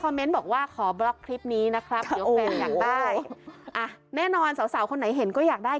เมนต์บอกว่าขอบล็อกคลิปนี้นะครับเดี๋ยวแฟนอยากได้อ่ะแน่นอนสาวสาวคนไหนเห็นก็อยากได้